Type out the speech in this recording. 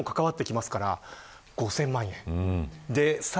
これは安全にも関わってきますから５０００万円。